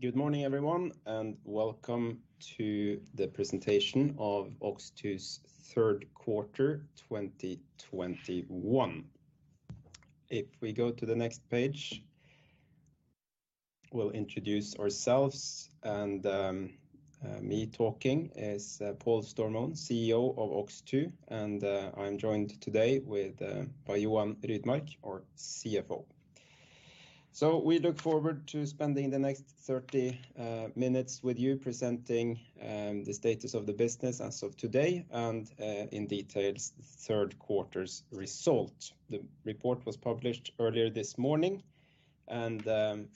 Good morning, everyone, and welcome to the presentation of OX2's third quarter 2021. If we go to the next page, we'll introduce ourselves. Me talking is Paul Stormoen, CEO of OX2, and I'm joined today by Johan Rydmark, our CFO. We look forward to spending the next 30 minutes with you presenting the status of the business as of today, and in detail, the third quarter's result. The report was published earlier this morning and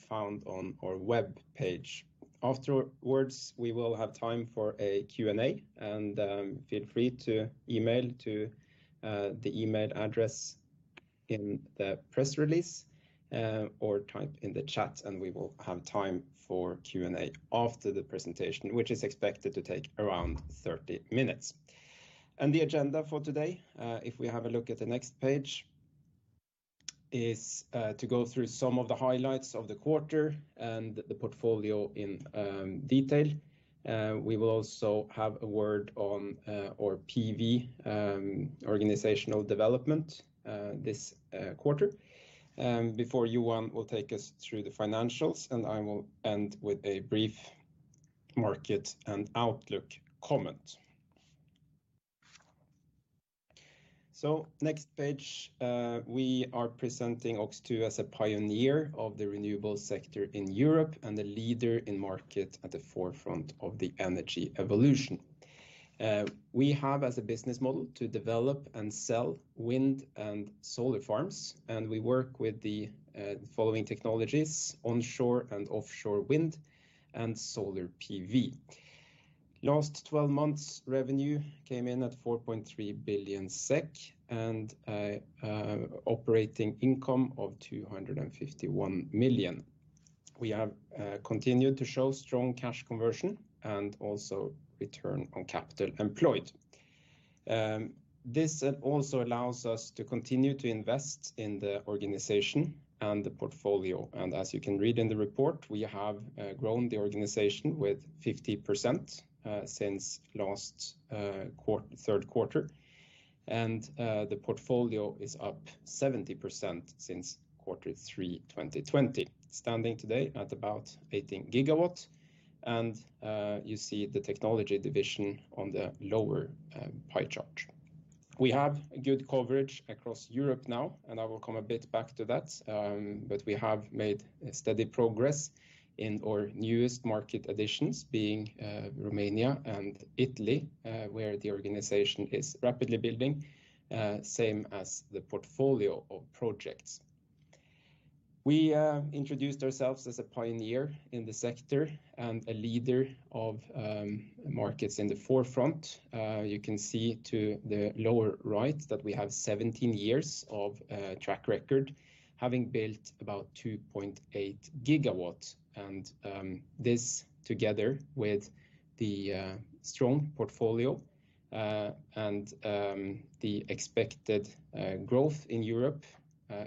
found on our webpage. Afterwards, we will have time for a Q&A, and feel free to email the email address in the press release, or type in the chat and we will have time for a Q&A after the presentation, which is expected to take around 30 minutes. The agenda for today, if we have a look at the next page, is to go through some of the highlights of the quarter and the portfolio in detail. We will also have a word on our PV organizational development this quarter. Before Johan will take us through the financials, and I will end with a brief market and outlook comment. Next page, we are presenting OX2 as a pioneer of the renewable sector in Europe and a leader in market at the forefront of the energy evolution. We have as a business model to develop and sell wind and solar farms, and we work with the following technologies, onshore and offshore wind and solar PV. Last 12 months, revenue came in at 4.3 billion SEK and operating income of 251 million. We have continued to show strong cash conversion and also return on capital employed. This also allows us to continue to invest in the organization and the portfolio. As you can read in the report, we have grown the organization with 50% since last third quarter. The portfolio is up 70% since quarter three 2020, standing today at about 18 GW. You see the technology division on the lower pie chart. We have good coverage across Europe now, and I will come a bit back to that. We have made steady progress in our newest market additions being, Romania and Italy, where the organization is rapidly building, same as the portfolio of projects. We introduced ourselves as a pioneer in the sector and a leader of markets in the forefront. You can see to the lower right that we have 17 years of track record, having built about 2.8 GW. This together with the strong portfolio, and the expected growth in Europe,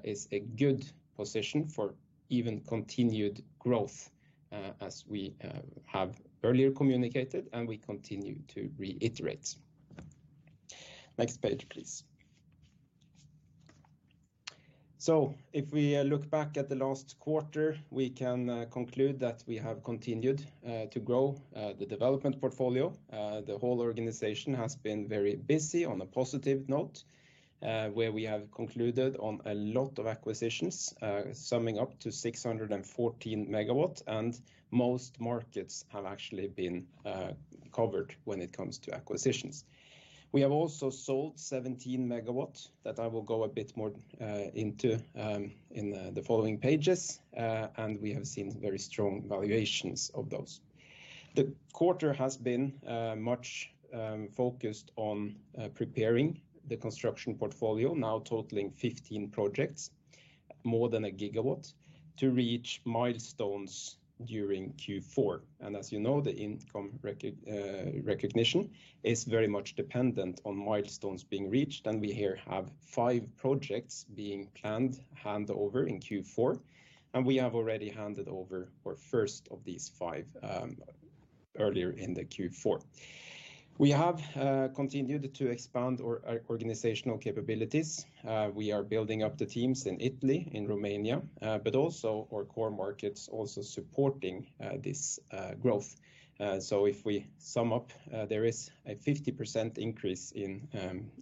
is a good position for even continued growth, as we have earlier communicated and we continue to reiterate. Next page, please. If we look back at the last quarter, we can conclude that we have continued to grow the development portfolio. The whole organization has been very busy on a positive note, where we have concluded on a lot of acquisitions, summing up to 614 MW, and most markets have actually been covered when it comes to acquisitions. We have also sold 17 MW that I will go a bit more into in the following pages. We have seen very strong valuations of those. The quarter has been much focused on preparing the construction portfolio, now totaling 15 projects, more than 1 GW, to reach milestones during Q4. As you know, the income recognition is very much dependent on milestones being reached, and we here have five projects being planned handover in Q4, and we have already handed over our first of these five earlier in the Q4. We have continued to expand our organizational capabilities. We are building up the teams in Italy, in Romania, but also our core markets also supporting this growth. If we sum up, there is a 50% increase in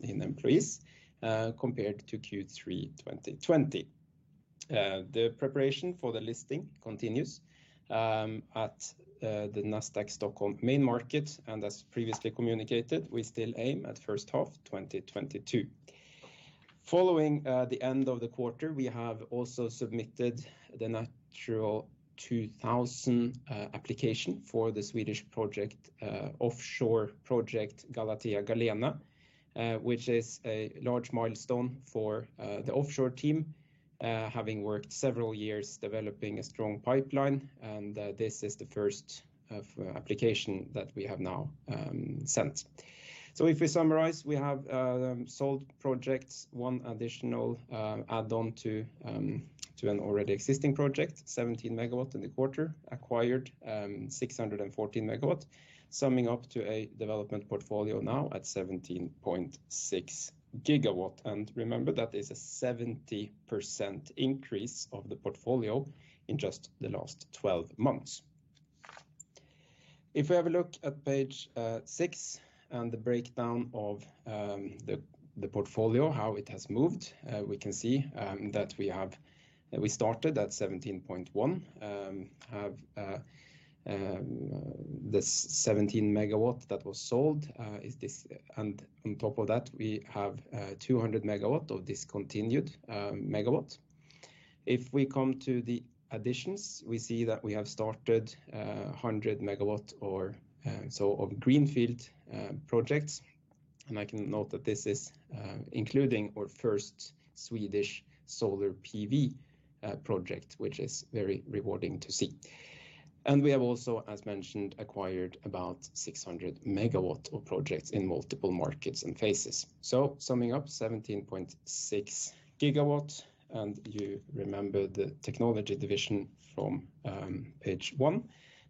employees, compared to Q3 2020. The preparation for the listing continues, at the Nasdaq Stockholm main market, and as previously communicated, we still aim at first half 2022. Following the end of the quarter, we have also submitted the Natura 2000 application for the Swedish project, offshore project Galatea-Galene, which is a large milestone for the offshore team, having worked several years developing a strong pipeline. This is the first application that we have now sent. If we summarize, we have sold projects, one additional add-on to an already existing project, 17 MW in the quarter. Acquired 614 MW, summing up to a development portfolio now at 17.6 GW. Remember, that is a 70% increase of the portfolio in just the last 12 months. If we have a look at page six and the breakdown of the portfolio, how it has moved, we can see that we started at 17.1, have this 17 MW that was sold. On top of that, we have 200 MW of discontinued megawatts. If we come to the additions, we see that we have started 100 MW or so of greenfield projects. I can note that this is including our first Swedish solar PV project, which is very rewarding to see. We have also, as mentioned, acquired about 600 MW of projects in multiple markets and phases. Summing up, 17.6 GW. You remember the technology division from page one.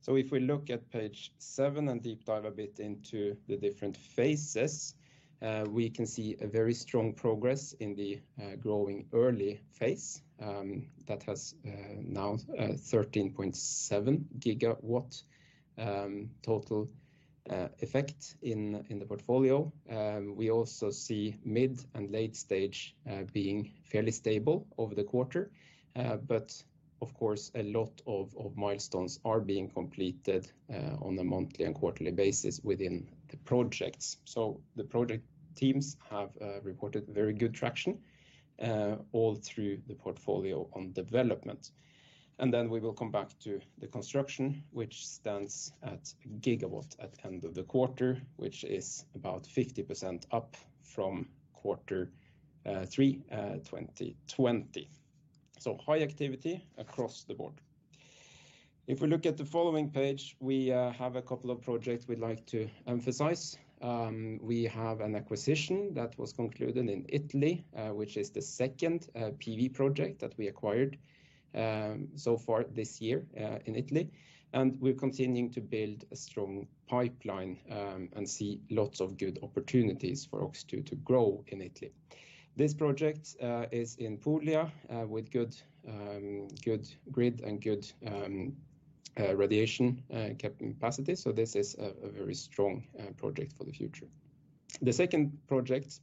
If we look at page seven and deep dive a bit into the different phases, we can see a very strong progress in the growing early phase, that has now 13.7 GW total effect in the portfolio. We also see mid and late stage being fairly stable over the quarter. Of course, a lot of milestones are being completed on a monthly and quarterly basis within the projects. The project teams have reported very good traction all through the portfolio on development. We will come back to the construction, which stands at 1 GW at the end of the quarter, which is about 50% up from quarter three 2020. High activity across the board. If we look at the following page, we have a couple of projects we'd like to emphasize. We have an acquisition that was concluded in Italy, which is the second PV project that we acquired so far this year in Italy, and we're continuing to build a strong pipeline, and see lots of good opportunities for OX2 to grow in Italy. This project is in Puglia, with good grid and good radiation capacity, so this is a very strong project for the future. The second project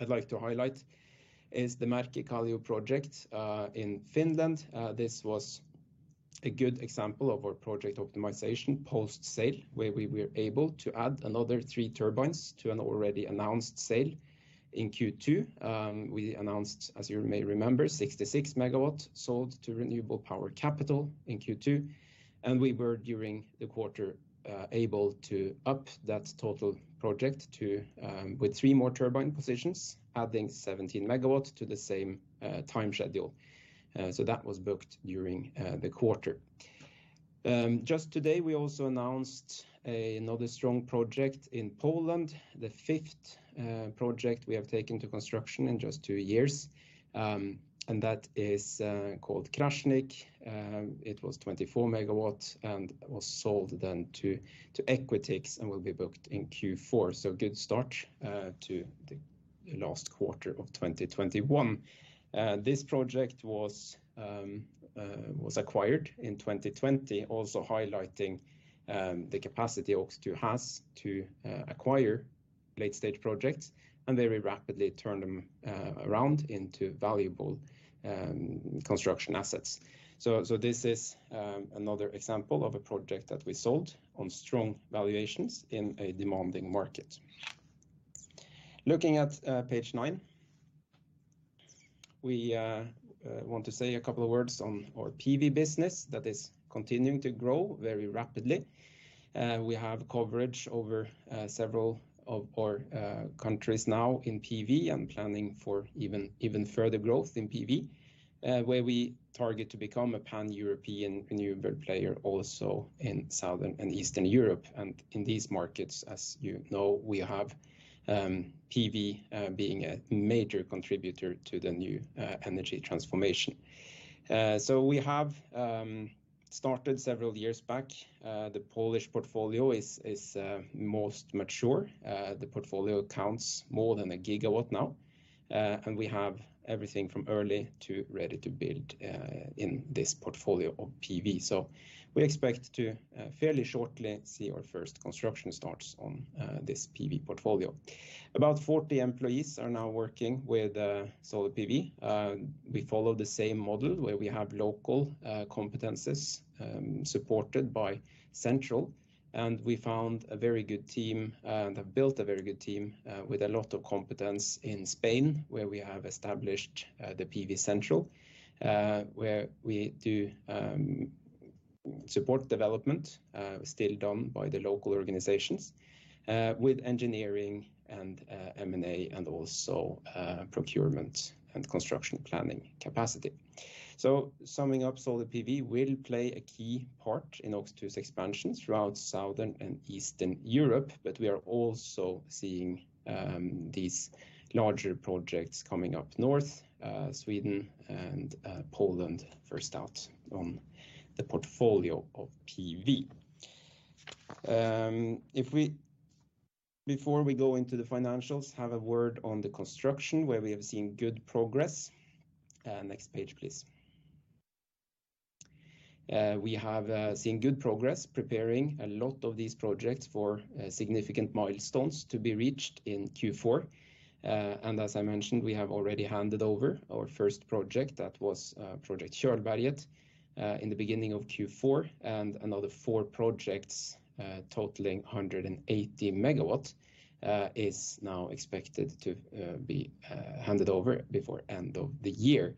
I'd like to highlight is the Merkkikallio project, in Finland. This was a good example of our project optimization post-sale, where we were able to add another three turbines to an already announced sale in Q2. We announced, as you may remember, 66 MW sold to Renewable Power Capital in Q2, and we were, during the quarter, able to up that total project with three more turbine positions, adding 17 MW to the same time schedule. That was booked during the quarter. Just today, we also announced another strong project in Poland, the fifth project we have taken to construction in just two years, and that is called Kraśnik. It was 24 MW and was sold then to Equitix and will be booked in Q4. Good start to the last quarter of 2021. This project was acquired in 2020, also highlighting the capacity OX2 has to acquire late-stage projects and very rapidly turn them around into valuable construction assets. This is another example of a project that we sold on strong valuations in a demanding market. Looking at page nine, we want to say a couple of words on our PV business that is continuing to grow very rapidly. We have coverage over several of our countries now in PV and planning for even further growth in PV, where we target to become a pan-European renewable player also in Southern and Eastern Europe. In these markets, as you know, we have PV being a major contributor to the new energy transformation. We have started several years back. The Polish portfolio is most mature. The portfolio counts more than 1 GW now, and we have everything from early to ready to build, in this portfolio of PV. We expect to fairly shortly see our first construction starts on this PV portfolio. About 40 employees are now working with solar PV. We follow the same model where we have local competencies, supported by central, and we found a very good team, and have built a very good team, with a lot of competence in Spain, where we have established the PV central, where we do support development, still done by the local organizations, with engineering and M&A and also procurement and construction planning capacity. Summing up, solar PV will play a key part in OX2's expansion throughout Southern and Eastern Europe, but we are also seeing these larger projects coming up north, Sweden and Poland first out on the portfolio of PV. Before we go into the financials, have a word on the construction where we have seen good progress. Next page, please. We have seen good progress preparing a lot of these projects for significant milestones to be reached in Q4. As I mentioned, we have already handed over our first project, that was project Kjolberget, in the beginning of Q4. Another four projects totaling 180 MW is now expected to be handed over before end of the year.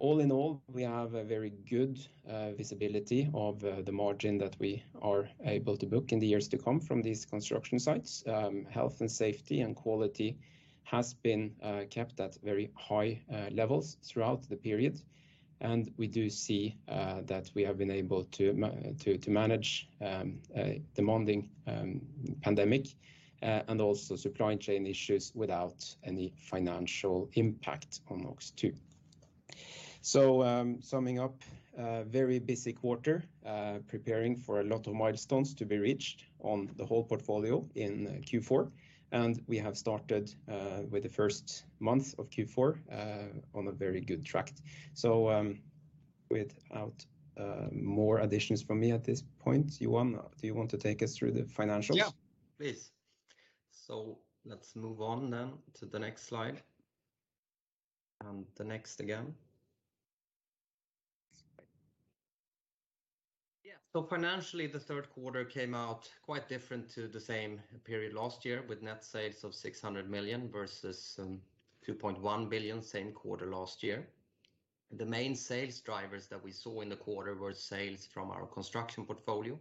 All in all, we have a very good visibility of the margin that we are able to book in the years to come from these construction sites. Health and safety and quality has been kept at very high levels throughout the period. We do see that we have been able to manage demanding pandemic and also supply chain issues without any financial impact on OX2. Summing up, very busy quarter, preparing for a lot of milestones to be reached on the whole portfolio in Q4. We have started with the first month of Q4 on a very good track. Without more additions from me at this point, Johan, do you want to take us through the financials? Yeah, please. Let's move on then to the next slide. The next again. Yeah. Financially, the third quarter came out quite different to the same period last year, with net sales of 600 million versus 2.1 billion same quarter last year. The main sales drivers that we saw in the quarter were sales from our construction portfolio,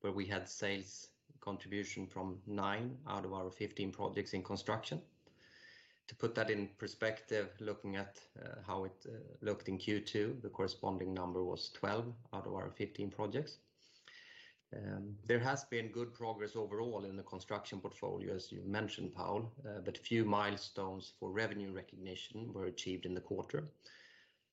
where we had sales contribution from nine out of our 15 projects in construction. To put that in perspective, looking at how it looked in Q2, the corresponding number was 12 out of our 15 projects. There has been good progress overall in the construction portfolio, as you mentioned, Paul, but few milestones for revenue recognition were achieved in the quarter.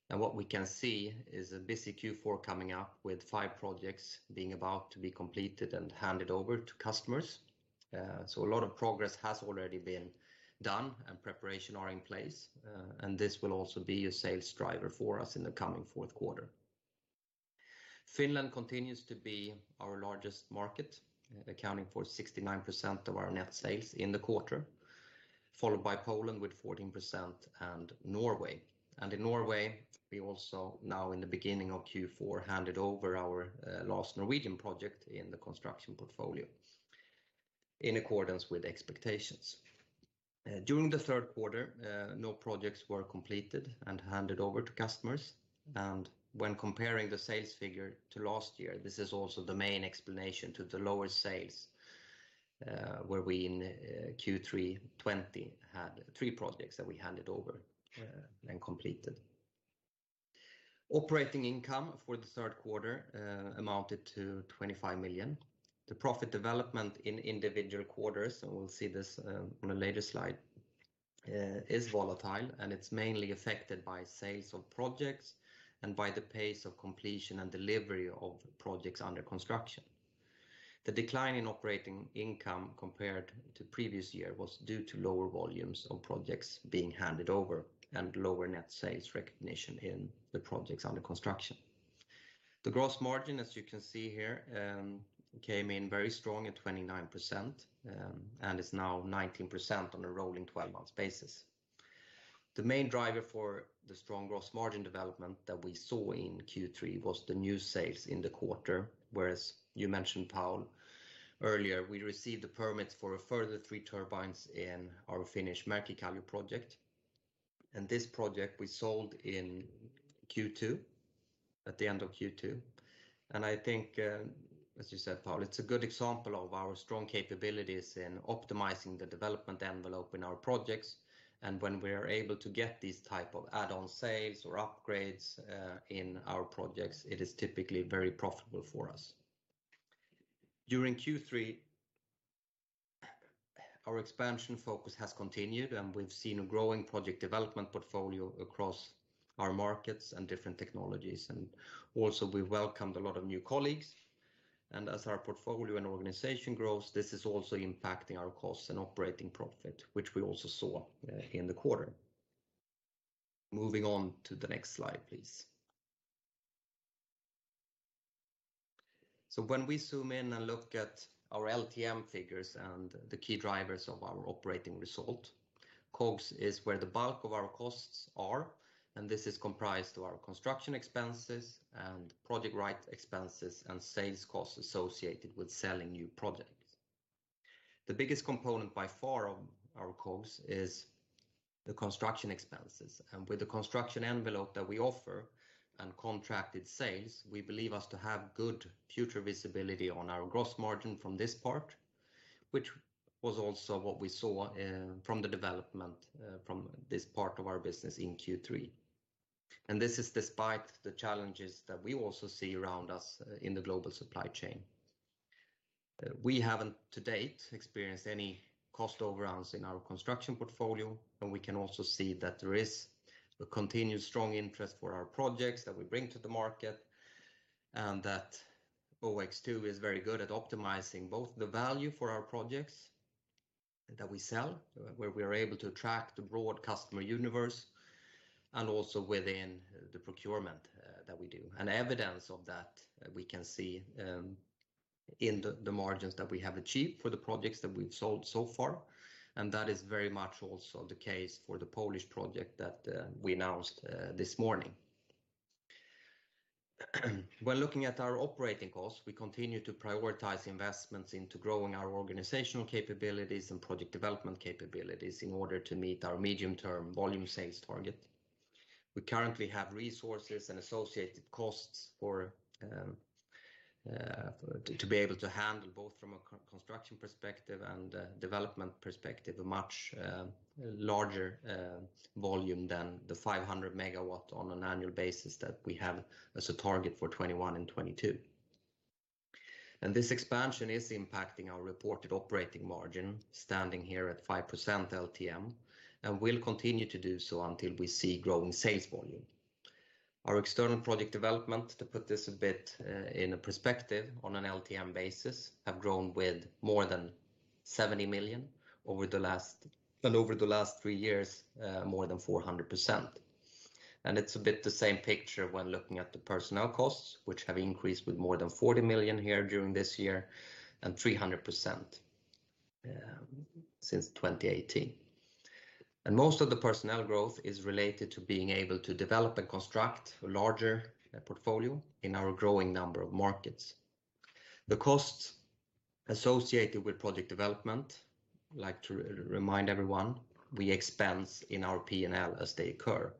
What we can see is a busy Q4 coming up with five projects being about to be completed and handed over to customers. A lot of progress has already been done and preparation are in place. This will also be a sales driver for us in the coming fourth quarter. Finland continues to be our largest market, accounting for 69% of our net sales in the quarter, followed by Poland with 14% and Norway. In Norway, we also now in the beginning of Q4, handed over our last Norwegian project in the construction portfolio in accordance with expectations. During the third quarter, no projects were completed and handed over to customers. When comparing the sales figure to last year, this is also the main explanation to the lower sales, where we in Q3 2020 had three projects that we handed over and completed. Operating income for the third quarter amounted to 25 million. The profit development in individual quarters, and we'll see this on a later slide, is volatile, and it's mainly affected by sales of projects and by the pace of completion and delivery of projects under construction. The decline in operating income compared to previous year was due to lower volumes of projects being handed over and lower net sales recognition in the projects under construction. The gross margin, as you can see here, came in very strong at 29% and is now 19% on a rolling 12 months basis. The main driver for the strong gross margin development that we saw in Q3 was the new sales in the quarter, whereas you mentioned, Paul, earlier, we received the permits for a further three turbines in our Finnish Merkkikallio project. This project we sold at the end of Q2. I think, as you said, Paul, it's a good example of our strong capabilities in optimizing the development envelope in our projects. When we are able to get these type of add-on sales or upgrades in our projects, it is typically very profitable for us. During Q3, our expansion focus has continued, and we've seen a growing project development portfolio across our markets and different technologies. Also we welcomed a lot of new colleagues. As our portfolio and organization grows, this is also impacting our costs and operating profit, which we also saw in the quarter. Moving on to the next slide, please. When we zoom in and look at our LTM figures and the key drivers of our operating result, COGS is where the bulk of our costs are, and this is comprised of our construction expenses and project right expenses and sales costs associated with selling new projects. The biggest component by far of our COGS is the construction expenses. With the construction envelope that we offer and contracted sales, we believe us to have good future visibility on our gross margin from this part, which was also what we saw from the development from this part of our business in Q3. This is despite the challenges that we also see around us in the global supply chain. We haven't to date experienced any cost overruns in our construction portfolio, and we can also see that there is a continued strong interest for our projects that we bring to the market, and that OX2 is very good at optimizing both the value for our projects that we sell, where we are able to attract a broad customer universe, and also within the procurement that we do. Evidence of that we can see in the margins that we have achieved for the projects that we've sold so far, and that is very much also the case for the Polish project that we announced this morning. When looking at our operating costs, we continue to prioritize investments into growing our organizational capabilities and project development capabilities in order to meet our medium-term volume sales target. We currently have resources and associated costs to be able to handle, both from a construction perspective and a development perspective, a much larger volume than the 500 MW on an annual basis that we have as a target for 2021 and 2022. This expansion is impacting our reported operating margin, standing here at 5% LTM, and will continue to do so until we see growing sales volume. Our external project development, to put this a bit in a perspective, on an LTM basis have grown with more than 70 million, and over the last three years, more than 400%. It's a bit the same picture when looking at the personnel costs, which have increased with more than 40 million here during this year and 300% since 2018. Most of the personnel growth is related to being able to develop and construct a larger portfolio in our growing number of markets. The costs associated with project development, I'd like to remind everyone, we expense in our P&L as they occur,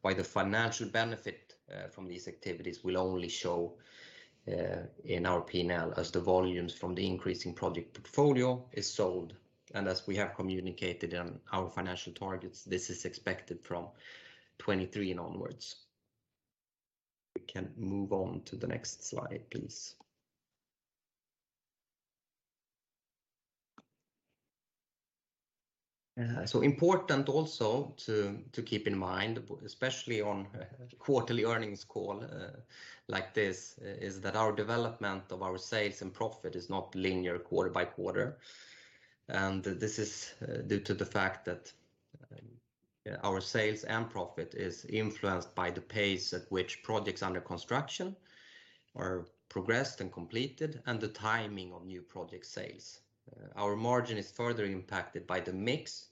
while the financial benefit from these activities will only show in our P&L as the volumes from the increasing project portfolio is sold. As we have communicated in our financial targets, this is expected from 2023 onwards. We can move on to the next slide, please. Important also to keep in mind, especially on a quarterly earnings call like this, is that our development of our sales and profit is not linear quarter by quarter. This is due to the fact that our sales and profit is influenced by the pace at which projects under construction are progressed and completed and the timing of new project sales. Our margin is further impacted by the mix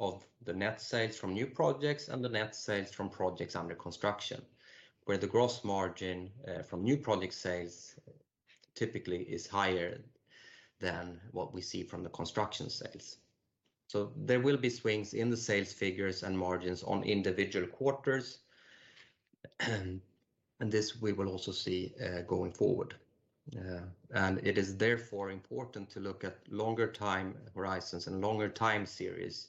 of the net sales from new projects and the net sales from projects under construction, where the gross margin from new project sales typically is higher than what we see from the construction sales. There will be swings in the sales figures and margins on individual quarters. This we will also see going forward. It is therefore important to look at longer time horizons and longer time series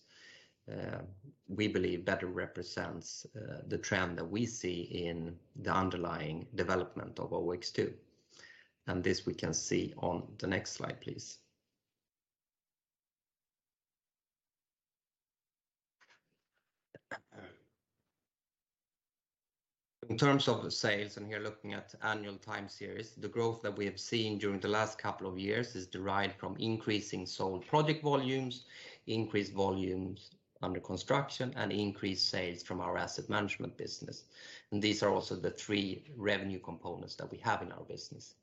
we believe better represents the trend that we see in the underlying development of OX2. This we can see on the next slide, please. In terms of the sales, and here looking at annual time series, the growth that we have seen during the last couple of years is derived from increasing sold project volumes, increased volumes under construction, and increased sales from our asset management business. These are also the three revenue components that we have in our business.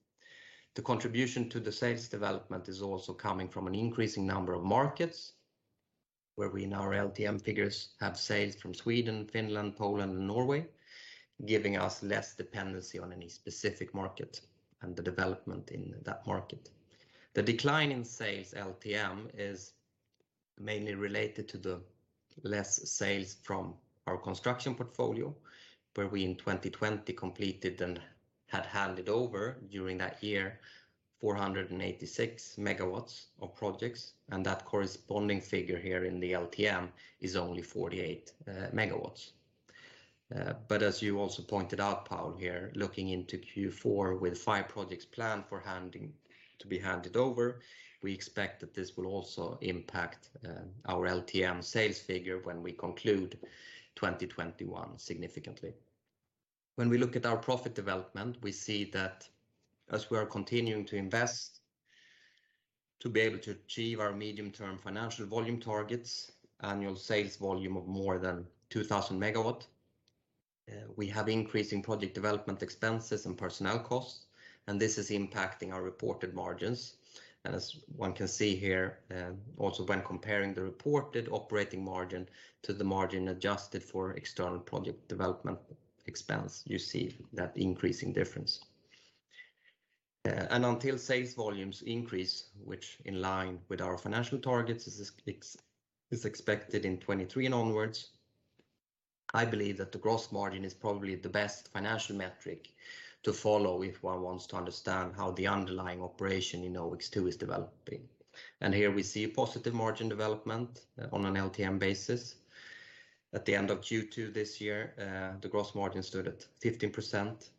The contribution to the sales development is also coming from an increasing number of markets, where we, in our LTM figures, have sales from Sweden, Finland, Poland and Norway, giving us less dependency on any specific market and the development in that market. The decline in sales LTM is mainly related to the less sales from our construction portfolio, where we, in 2020, completed and had handed over during that year 486 MW of projects. That corresponding figure here in the LTM is only 48 MW. As you also pointed out, Paul, here, looking into Q4 with five projects planned to be handed over, we expect that this will also impact our LTM sales figure when we conclude 2021 significantly. When we look at our profit development, we see that as we are continuing to invest to be able to achieve our medium-term financial volume targets, annual sales volume of more than 2,000 MW, we have increasing project development expenses and personnel costs, and this is impacting our reported margins. As one can see here, also when comparing the reported operating margin to the margin adjusted for external project development expense, you see that increasing difference. Until sales volumes increase, which in line with our financial targets, is expected in 2023 and onwards, I believe that the gross margin is probably the best financial metric to follow if one wants to understand how the underlying operation in OX2 is developing. Here we see a positive margin development on an LTM basis. At the end of Q2 this year, the gross margin stood at 15%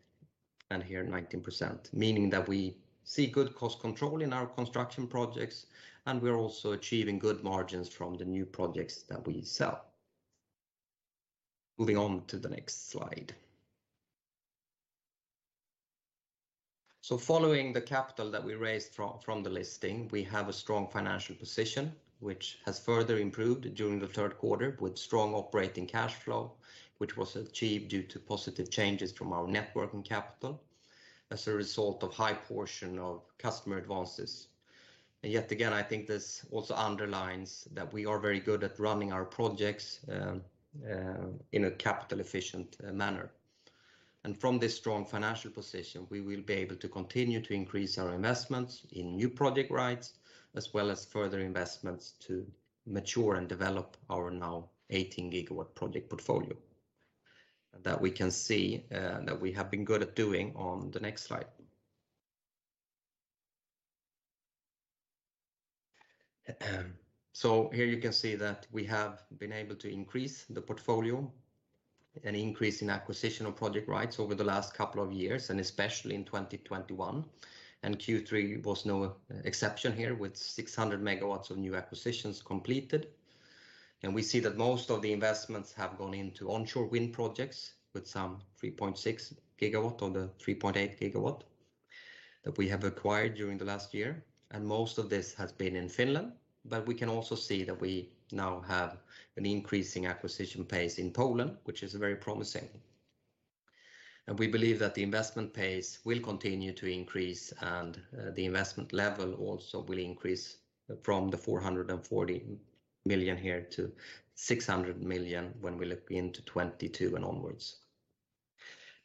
and here 19%, meaning that we see good cost control in our construction projects and we're also achieving good margins from the new projects that we sell. Moving on to the next slide. Following the capital that we raised from the listing, we have a strong financial position, which has further improved during the third quarter with strong operating cash flow, which was achieved due to positive changes from our net working capital as a result of high portion of customer advances. Yet again, I think this also underlines that we are very good at running our projects in a capital-efficient manner. From this strong financial position, we will be able to continue to increase our investments in new project rights, as well as further investments to mature and develop our now 18 GW project portfolio. That we can see that we have been good at doing on the next slide. Here you can see that we have been able to increase the portfolio and increase in acquisition of project rights over the last couple of years, especially in 2021. Q3 was no exception here with 600 MW of new acquisitions completed. We see that most of the investments have gone into onshore wind projects with some 3.6 GW on the 3.8 GW that we have acquired during the last year. Most of this has been in Finland, but we can also see that we now have an increasing acquisition pace in Poland, which is very promising. We believe that the investment pace will continue to increase and the investment level also will increase from 440 million here to 600 million when we look into 2022 and onwards.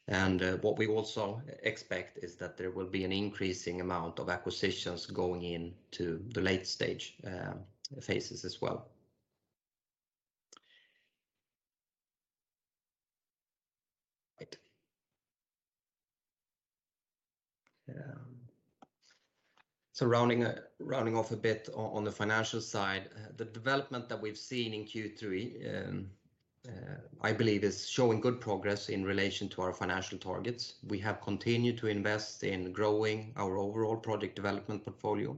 What we also expect is that there will be an increasing amount of acquisitions going into the late-stage phases as well. Rounding off a bit on the financial side, the development that we've seen in Q3, I believe, is showing good progress in relation to our financial targets. We have continued to invest in growing our overall project development portfolio,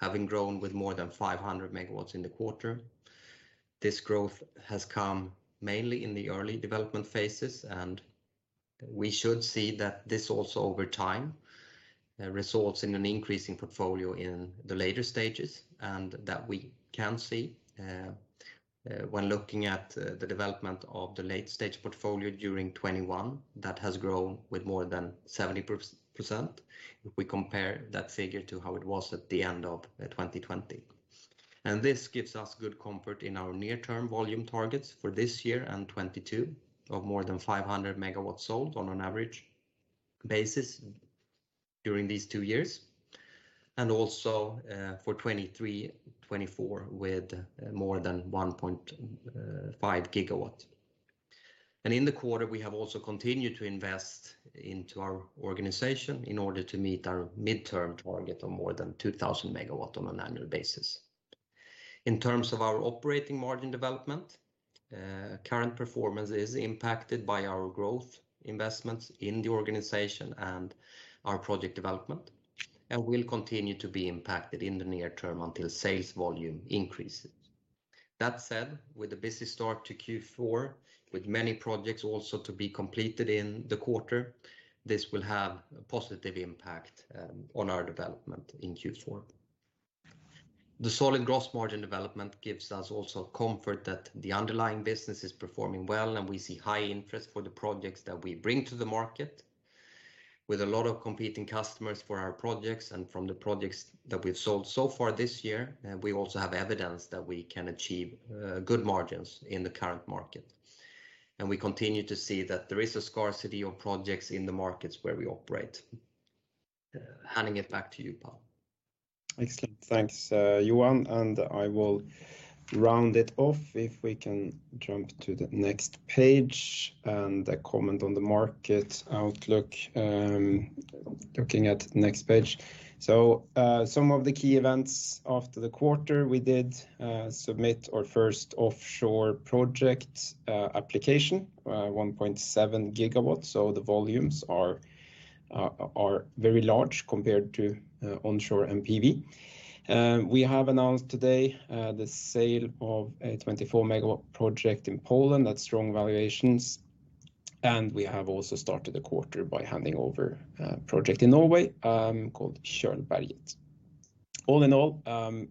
having grown with more than 500 megawatts in the quarter. This growth has come mainly in the early development phases, and we should see that this also over time results in an increasing portfolio in the later stages, and that we can see when looking at the development of the late-stage portfolio during 2021, that has grown with more than 70%. If we compare that figure to how it was at the end of 2020. This gives us good comfort in our near-term volume targets for this year and 2022 of more than 500 MW sold on an average basis during these two years, and also for 2023, 2024 with more than 1.5 GW. In the quarter, we have also continued to invest into our organization in order to meet our mid-term target of more than 2,000 MW on an annual basis. In terms of our operating margin development, current performance is impacted by our growth investments in the organization and our project development and will continue to be impacted in the near term until sales volume increases. That said, with a busy start to Q4, with many projects also to be completed in the quarter, this will have a positive impact on our development in Q4. The solid gross margin development gives us also comfort that the underlying business is performing well, and we see high interest for the projects that we bring to the market. With a lot of competing customers for our projects and from the projects that we've sold so far this year, we also have evidence that we can achieve good margins in the current market. We continue to see that there is a scarcity of projects in the markets where we operate. Handing it back to you, Paul. Excellent. Thanks, Johan. I will round it off. If we can jump to the next page, a comment on the market outlook. Looking at next page. Some of the key events after the quarter, we did submit our first offshore project application, 1.7 GW. The volumes are very large compared to onshore and PV. We have announced today the sale of a 24 MW project in Poland at strong valuations. We have also started the quarter by handing over a project in Norway, called Kjolberget. All in all,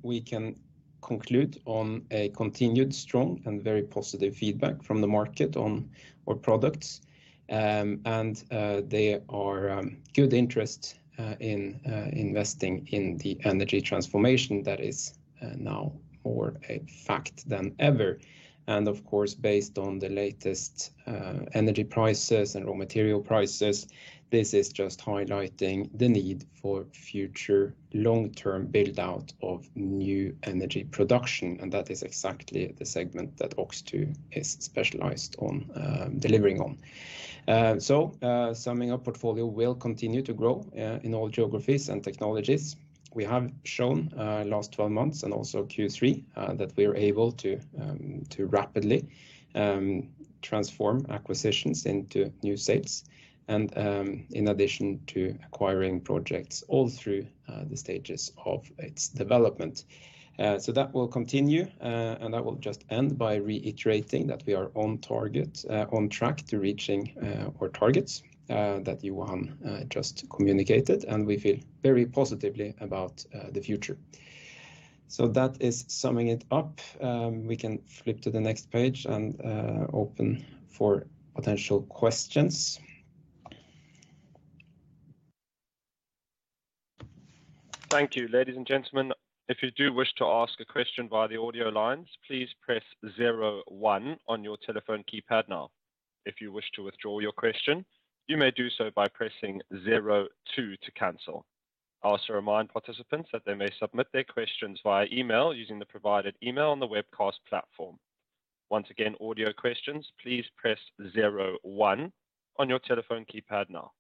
we can conclude on a continued strong and very positive feedback from the market on our products. There are good interest in investing in the energy transformation that is now more a fact than ever. Of course, based on the latest energy prices and raw material prices, this is just highlighting the need for future long-term build-out of new energy production. That is exactly the segment that OX2 is specialized on delivering on. Summing up, portfolio will continue to grow in all geographies and technologies. We have shown last 12 months and also Q3 that we are able to rapidly transform acquisitions into new sales, and in addition to acquiring projects all through the stages of its development. That will continue, and I will just end by reiterating that we are on target, on track to reaching our targets that Johan just communicated, and we feel very positively about the future. That is summing it up. We can flip to the next page and open for potential questions. Thank you. Ladies and gentlemen, if you do wish to ask a question via the audio lines, please press zero one on your telephone keypad now. If you wish to withdraw your question, you may do so by pressing zero two to cancel. I also remind participants that they may submit their questions via email using the provided email on the webcast platform. Once again, audio questions, please press zero one on your telephone keypad now.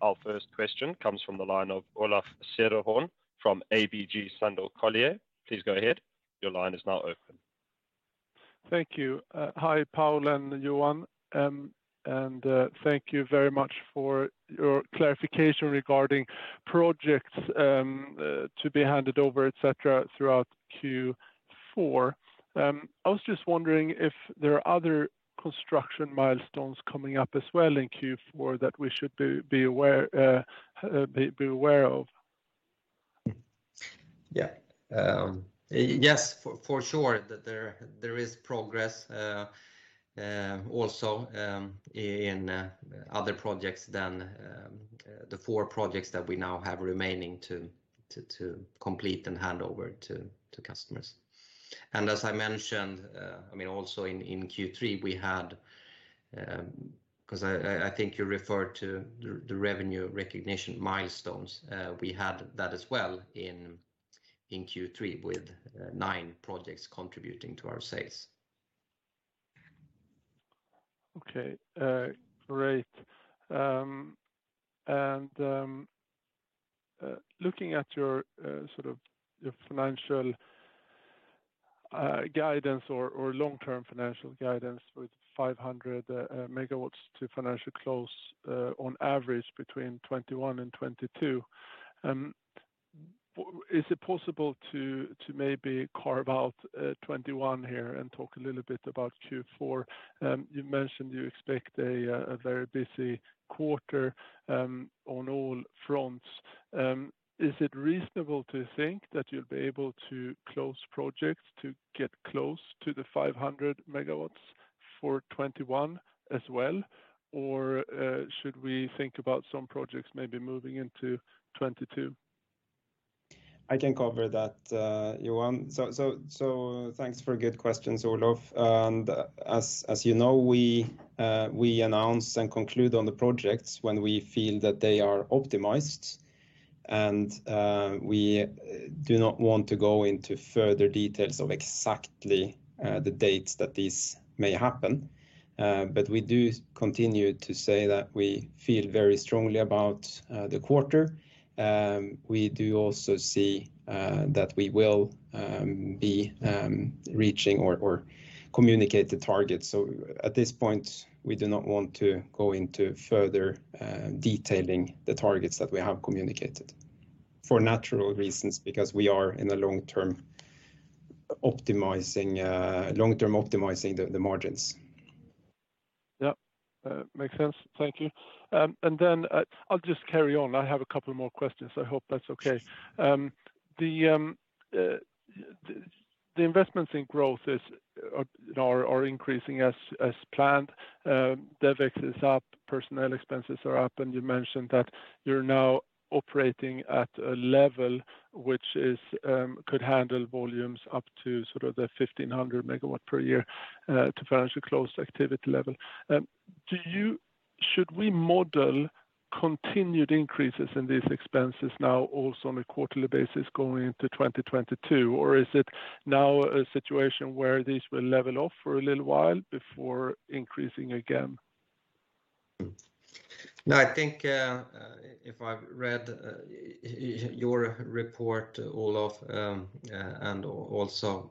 Our first question comes from the line of Olof Cederholm from ABG Sundal Collier. Please go ahead. Your line is now open. Thank you. Hi, Paul and Johan, and thank you very much for your clarification regarding projects to be handed over, et cetera, throughout Q4. I was just wondering if there are other construction milestones coming up as well in Q4 that we should be aware of. Yes, for sure. There is progress also in other projects than the four projects that we now have remaining to complete and hand over to customers. As I mentioned, also in Q3, we had because I think you referred to the revenue recognition milestones. We had that as well in Q3 with nine projects contributing to our sales. Okay. Great. Looking at your financial guidance or long-term financial guidance with 500 MW to financial close, on average between 2021 and 2022. Is it possible to maybe carve out 2021 here and talk a little bit about Q4? You mentioned you expect a very busy quarter on all fronts. Is it reasonable to think that you'll be able to close projects to get close to the 500 MW for 2021 as well? Or should we think about some projects maybe moving into 2022? I can cover that, Johan. Thanks for a good question, Olof. As you know, we announce and conclude on the projects when we feel that they are optimized. We do not want to go into further details of exactly the dates that this may happen. We do continue to say that we feel very strongly about the quarter. We do also see that we will be reaching or communicate the target. At this point, we do not want to go into further detailing the targets that we have communicated, for natural reasons, because we are in a long-term optimizing the margins. Yep. Makes sense. Thank you. I'll just carry on. I have a couple more questions. I hope that's okay. The investments in growth are increasing as planned. DevEx is up, personnel expenses are up, and you mentioned that you're now operating at a level which could handle volumes up to the 1,500 MW per year to financial close activity level. Should we model continued increases in these expenses now also on a quarterly basis going into 2022? Is it now a situation where these will level off for a little while before increasing again? No, I think if I've read your report, Olof, and also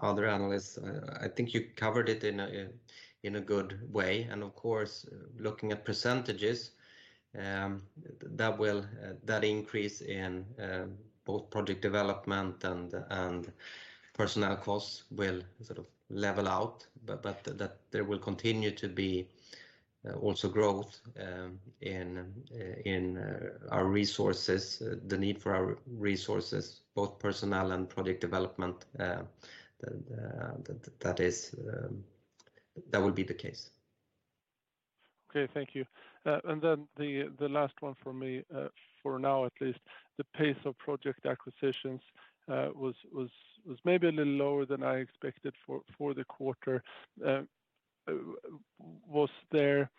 other analysts, I think you covered it in a good way. Of course, looking at percentages, that increase in both project development and personnel costs will sort of level out. There will continue to be also growth in our resources, the need for our resources, both personnel and project development. That will be the case. Okay. Thank you. The last one from me, for now at least. The pace of project acquisitions was maybe a little lower than I expected for the quarter. Was there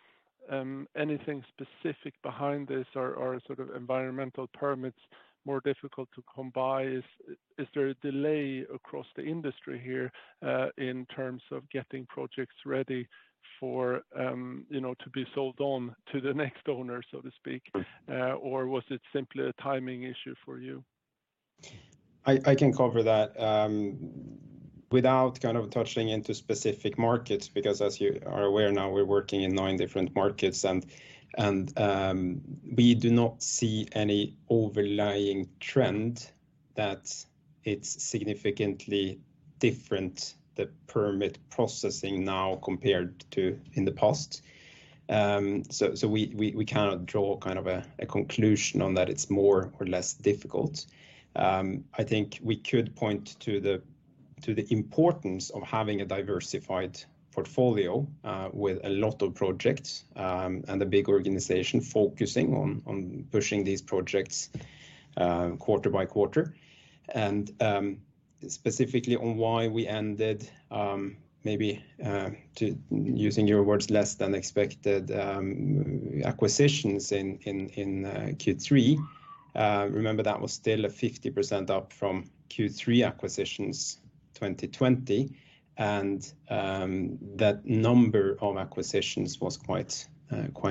anything specific behind this, or are environmental permits more difficult to come by? Is there a delay across the industry here in terms of getting projects ready to be sold on to the next owner, so to speak, or was it simply a timing issue for you? I can cover that without touching into specific markets, because as you are aware now, we're working in nine different markets, and we do not see any overlying trend that it's significantly different, the permit processing now compared to in the past. We cannot draw a conclusion on that it's more or less difficult. I think we could point to the importance of having a diversified portfolio, with a lot of projects, and a big organization focusing on pushing these projects quarter by quarter, and specifically on why we ended, maybe, to using your words, less than expected acquisitions in Q3. Remember, that was still a 50% up from Q3 acquisitions 2020, and that number of acquisitions was quite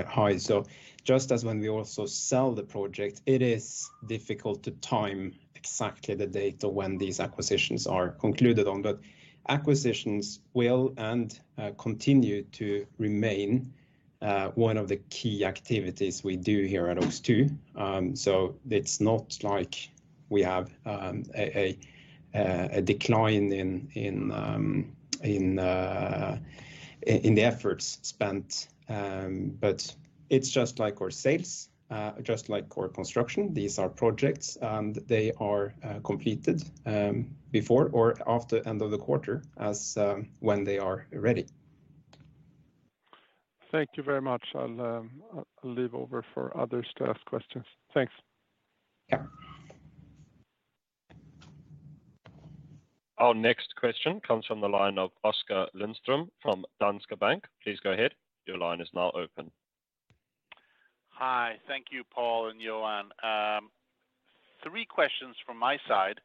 high. Just as when we also sell the project, it is difficult to time exactly the date of when these acquisitions are concluded on. Acquisitions will and continue to remain one of the key activities we do here at OX2. It's not like we have a decline in the efforts spent, but it's just like our sales, just like our construction. These are projects, and they are completed before or after end of the quarter as when they are ready. Thank you very much. I'll leave over for others to ask questions. Thanks. Yeah. Our next question comes from the line of Oskar Lindström from Danske Bank. Please go ahead. Your line is now open. Hi. Thank you, Paul and Johan. Three questions from my side.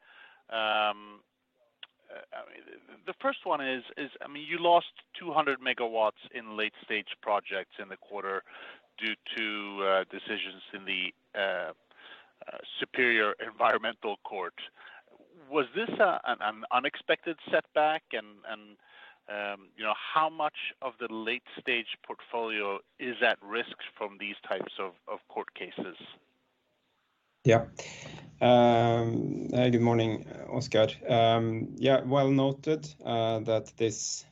The first one is, you lost 200 MW in late-stage projects in the quarter due to decisions in the Supreme Environmental Court. Was this an unexpected setback? How much of the late-stage portfolio is at risk from these types of court cases? Good morning, Oskar. Well noted that this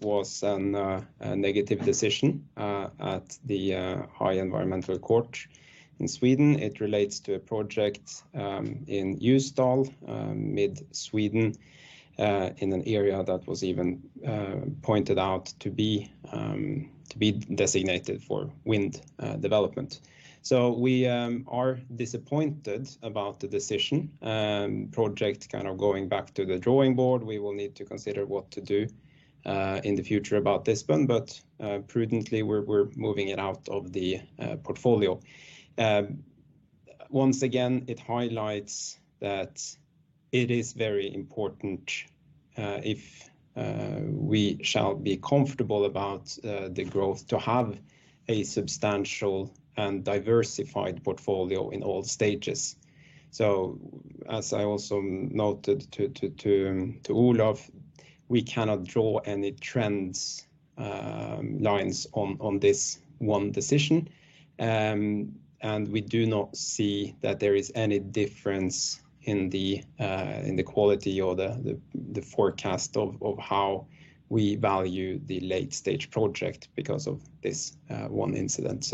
was a negative decision at the Supreme Environmental Court in Sweden. It relates to a project in Ljusdal, mid-Sweden, in an area that was even pointed out to be designated for wind development. We are disappointed about the decision. Project going back to the drawing board. We will need to consider what to do in the future about this one, but prudently, we're moving it out of the portfolio. Once again, it highlights that it is very important, if we shall be comfortable about the growth, to have a substantial and diversified portfolio in all stages. As I also noted to Olof, we cannot draw any trend lines on this one decision, and we do not see that there is any difference in the quality or the forecast of how we value the late-stage project because of this one incident.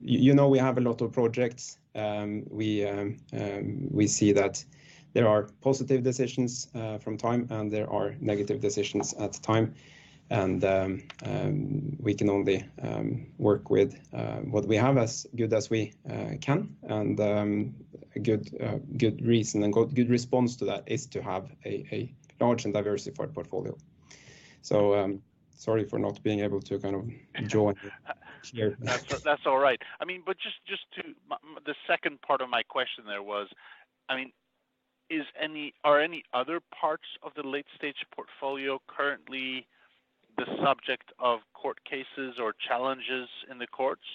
You know we have a lot of projects. We see that there are positive decisions from time, and there are negative decisions at time. We can only work with what we have as good as we can, and good reason and good response to that is to have a large and diversified portfolio. Sorry for not being able to join here. That's all right. The second part of my question there was, are any other parts of the late-stage portfolio currently the subject of court cases or challenges in the courts?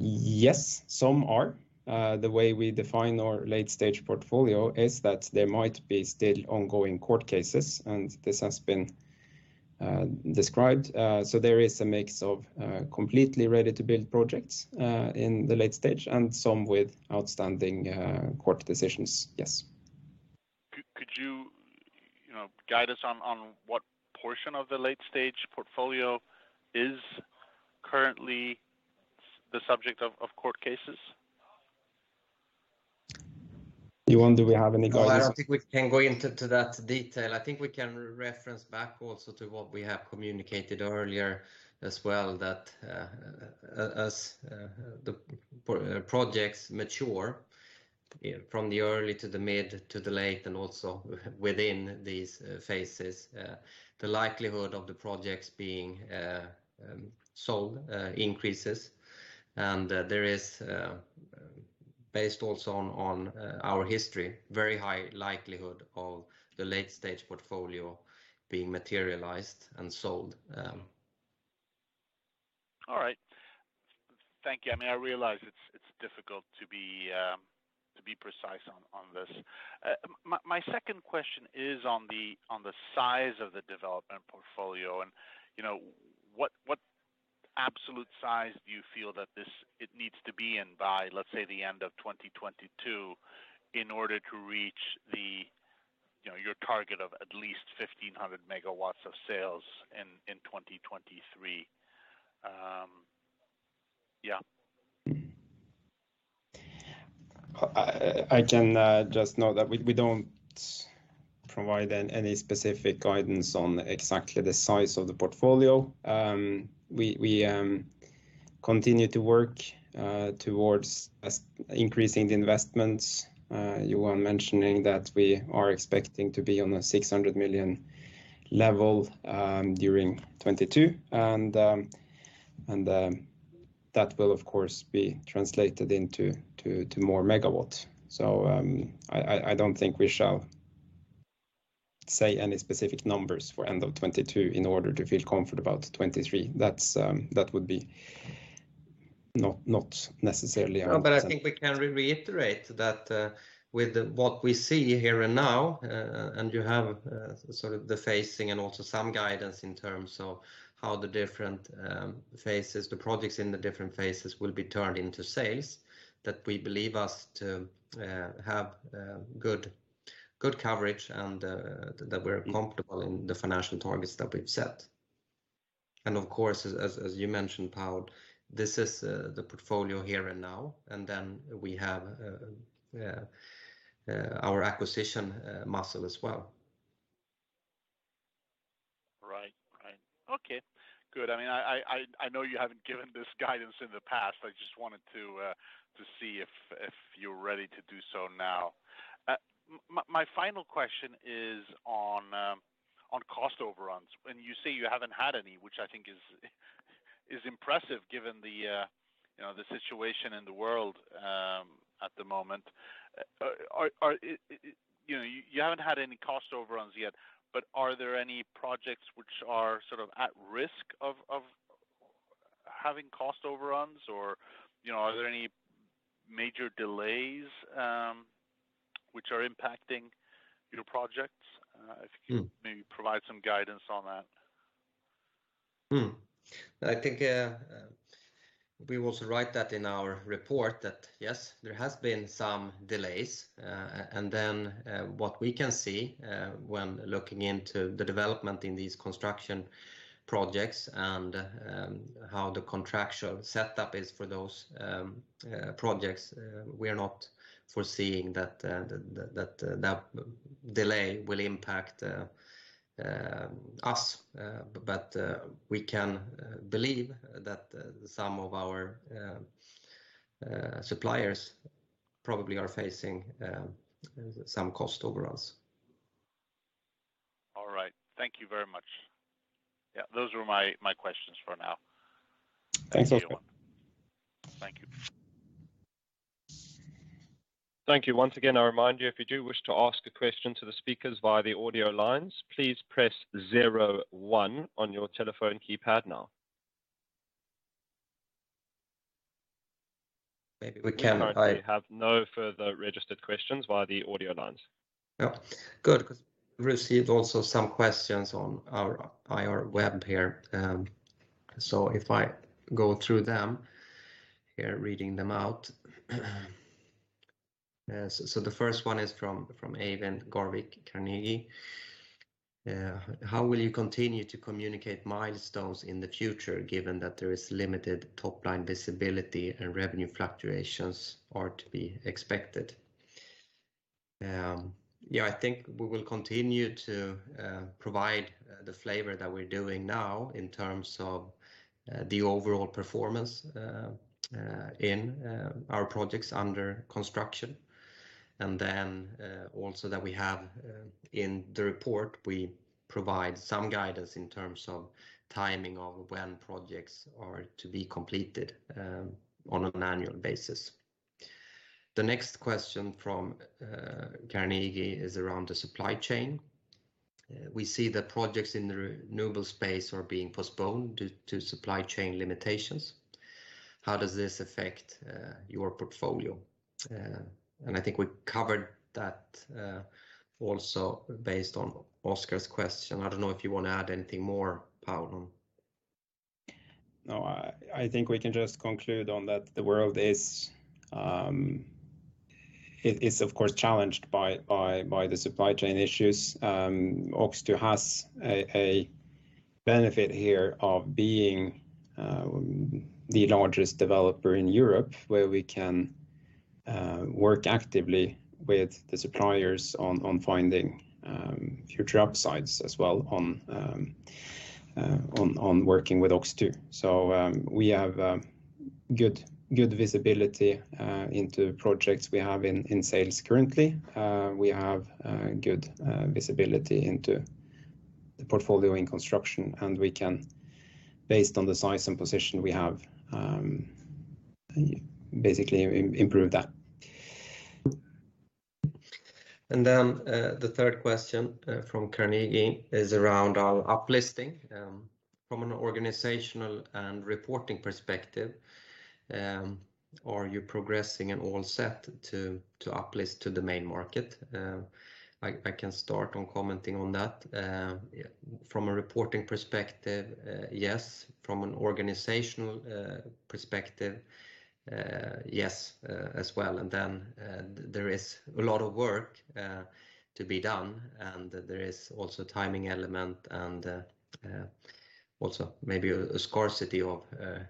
Yes, some are. The way we define our late-stage portfolio is that there might be still ongoing court cases, and this has been described. There is a mix of completely ready-to-build projects, in the late stage, and some with outstanding court decisions. Yes. Could you guide us on what portion of the late-stage portfolio is currently the subject of court cases? Johan, do we have any guidance? Well, I don't think we can go into that detail. I think we can reference back also to what we have communicated earlier as well, that as the projects mature from the early to the mid to the late, and also within these phases, the likelihood of the projects being sold increases. Based also on our history, very high likelihood of the late-stage portfolio being materialized and sold. All right. Thank you. I realize it's difficult to be precise on this. My second question is on the size of the development portfolio, and what absolute size do you feel that it needs to be in by, let's say, the end of 2022 in order to reach your target of at least 1,500 MW of sales in 2023? Yeah. I can just note that we don't provide any specific guidance on exactly the size of the portfolio. We continue to work towards increasing the investments. You are mentioning that we are expecting to be on a 600 million level during 2022, and that will, of course, be translated into more megawatts. I don't think we shall say any specific numbers for end of 2022 in order to feel comfort about 2023. That would be not necessarily our. I think we can reiterate that with what we see here and now, and you have the phasing and also some guidance in terms of how the projects in the different phases will be turned into sales, that we believe us to have good coverage and that we're comfortable in the financial targets that we've set. Of course, as you mentioned, Paul, this is the portfolio here and now, and then we have our acquisition muscle as well. Right. Okay, good. I know you haven't given this guidance in the past. I just wanted to see if you're ready to do so now. My final question is on cost overruns. You say you haven't had any, which I think is impressive given the situation in the world at the moment. You haven't had any cost overruns yet, but are there any projects which are at risk of having cost overruns, or are there any major delays which are impacting your projects? If you could maybe provide some guidance on that. I think we also write that in our report, that yes, there has been some delays. What we can see when looking into the development in these construction projects and how the contractual setup is for those projects, we are not foreseeing that delay will impact us. We can believe that some of our suppliers probably are facing some cost overruns. All right. Thank you very much. Yeah, those were my questions for now. Thanks, Oskar. Thank you. Thank you. Once again, I remind you, if you do wish to ask a question to the speakers via the audio lines, please press zero one on your telephone keypad now. Maybe we can. We currently have no further registered questions via the audio lines. Good, received also some questions on our IR web here. If I go through them here, reading them out. The first one is from Eivind Garvik, Carnegie. How will you continue to communicate milestones in the future, given that there is limited top-line visibility and revenue fluctuations are to be expected? Yeah, I think we will continue to provide the flavor that we're doing now in terms of the overall performance in our projects under construction. Also that we have in the report, we provide some guidance in terms of timing of when projects are to be completed on an annual basis. The next question from Carnegie is around the supply chain. We see that projects in the renewable space are being postponed due to supply chain limitations. How does this affect your portfolio? I think we covered that also based on Oskar's question. I don't know if you want to add anything more, Paul. No, I think we can just conclude on that the world is of course challenged by the supply chain issues. OX2 has a benefit here of being the largest developer in Europe, where we can work actively with the suppliers on finding future upsides as well on working with OX2. We have good visibility into projects we have in sales currently. We have good visibility into the portfolio in construction, and we can, based on the size and position we have, basically improve that. The third question from Carnegie is around our up-listing. From an organizational and reporting perspective, are you progressing and all set to up-list to the main market? I can start on commenting on that. From a reporting perspective, yes. From an organizational perspective, yes as well. There is a lot of work to be done, and there is also timing element and also maybe a scarcity of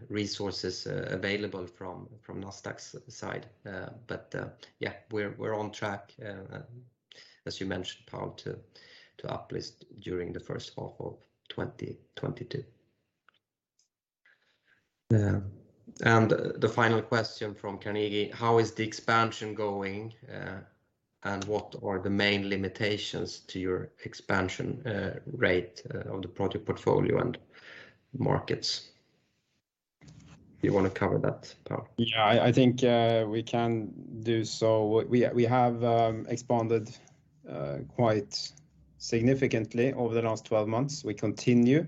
resources available from Nasdaq's side. Yeah, we're on track, as you mentioned, Paul, to up-list during the first half of 2022. The final question from Carnegie. How is the expansion going? What are the main limitations to your expansion rate of the project portfolio and markets? You want to cover that, Paul? I think we can do so. We have expanded quite significantly over the last 12 months. We continue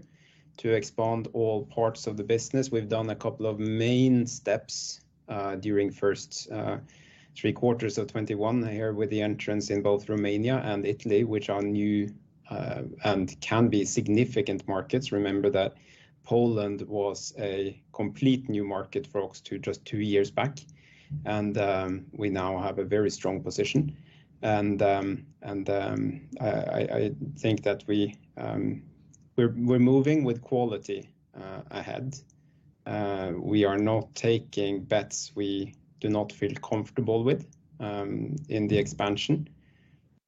to expand all parts of the business. We've done a couple of main steps during first three quarters of 2021 here with the entrance in both Romania and Italy, which are new and can be significant markets. Remember that Poland was a complete new market for OX2 just two years back, and we now have a very strong position. I think that we're moving with quality ahead. We are not taking bets we do not feel comfortable with in the expansion.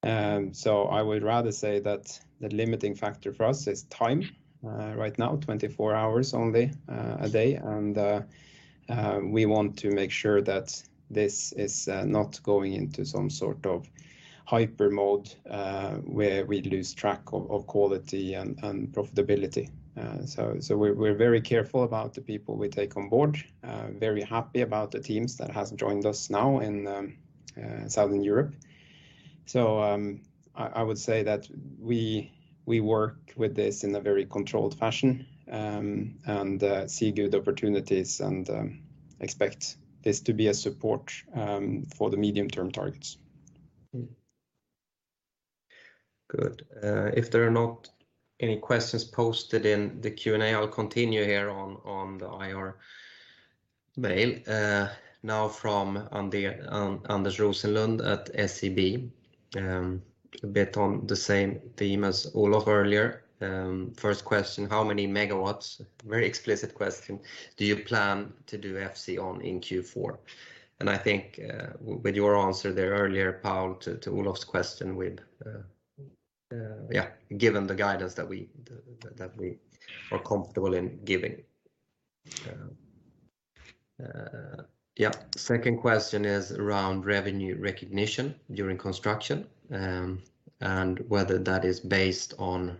I would rather say that the limiting factor for us is time right now, 24 hours only a day, and we want to make sure that this is not going into some sort of hyper mode, where we lose track of quality and profitability. We're very careful about the people we take on board, very happy about the teams that has joined us now in Southern Europe. I would say that we work with this in a very controlled fashion and see good opportunities and expect this to be a support for the medium-term targets. Good. If there are not any questions posted in the Q&A, I'll continue here on the IR mail. Now from Anders Rosenlund at SEB. A bit on the same theme as Olof earlier. First question, how many megawatts, very explicit question, do you plan to do FC on in Q4? I think with your answer there earlier, Paul, to Olof's question with Yeah, given the guidance that we are comfortable in giving. Second question is around revenue recognition during construction and whether that is based on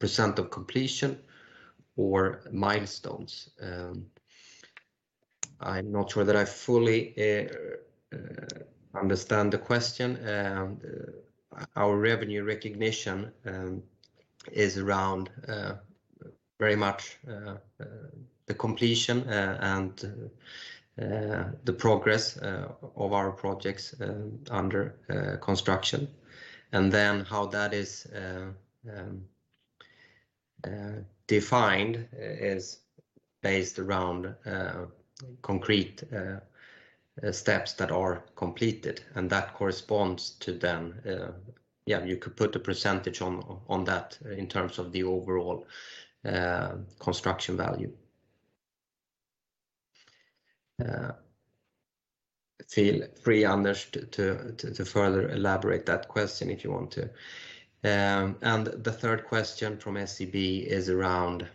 percent of completion or milestones. I'm not sure that I fully understand the question. Our revenue recognition is around very much the completion and the progress of our projects under construction. How that is defined is based around concrete steps that are completed, and that corresponds to them. Yeah, you could put a percentage on that in terms of the overall construction value. Feel free, Anders, to further elaborate that question if you want to. The third question from SEB is around,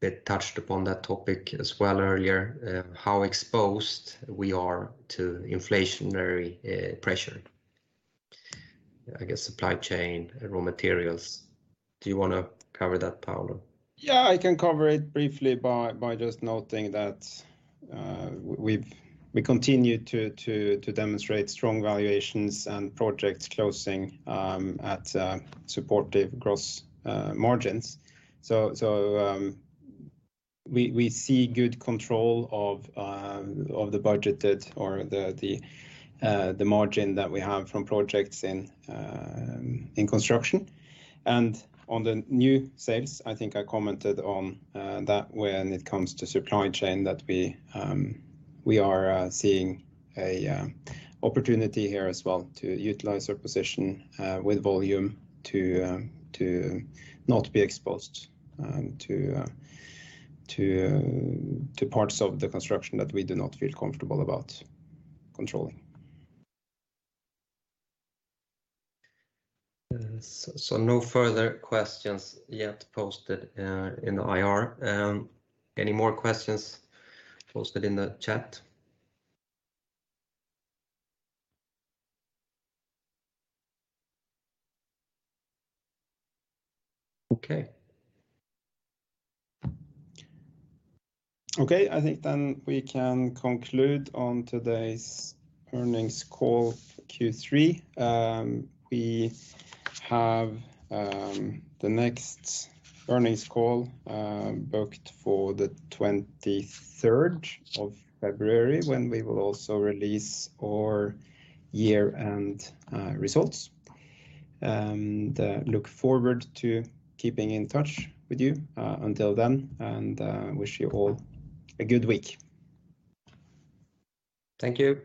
bit touched upon that topic as well earlier, how exposed we are to inflationary pressure. I guess supply chain and raw materials. Do you want to cover that, Paul? Yeah, I can cover it briefly by just noting that we continue to demonstrate strong valuations and projects closing at supportive gross margins. We see good control of the budgeted or the margin that we have from projects in construction. On the new sales, I think I commented on that when it comes to supply chain, that we are seeing a opportunity here as well to utilize our position with volume to not be exposed to parts of the construction that we do not feel comfortable about controlling. No further questions yet posted in the IR. Any more questions posted in the chat? Okay. Okay, I think then we can conclude on today's earnings call for Q3. We have the next earnings call booked for the 23rd of February, when we will also release our year-end results. Look forward to keeping in touch with you until then, and wish you all a good week. Thank you.